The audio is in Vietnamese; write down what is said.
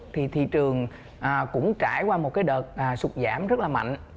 thì thị trường cũng trải qua một cái đợt sụt giảm rất là mạnh